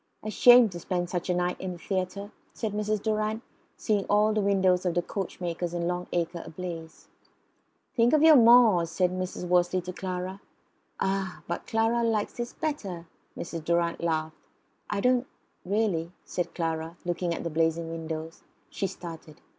"A shame to spend such a night in the theatre!" said Mrs. Durrant, seeing all the windows of the coachmakers in Long Acre ablaze. "Think of your moors!" said Mr. Wortley to Clara. "Ah! but Clara likes this better," Mrs. Durrant laughed. "I don't know really," said Clara, looking at the blazing windows. She started.